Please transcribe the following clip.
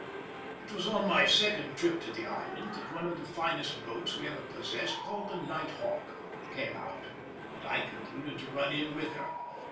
It was on my second trip to the island that one of the finest boats we ever possessed, called the Night Hawk, came out, and I concluded to run in with her.